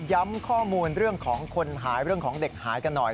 ย้ำข้อมูลเรื่องของคนหายเรื่องของเด็กหายกันหน่อย